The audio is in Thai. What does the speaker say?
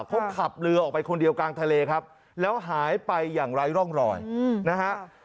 เขาขับเรือออกไปคนเดียวกลางทะเลครับแล้วหายไปอย่างไร้ร่องรอยนะฮะ